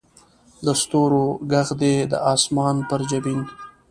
د ستورو ږغ دې د اسمان پر جبین